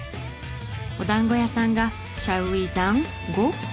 お団子屋さんがシャルウィーダンゴ？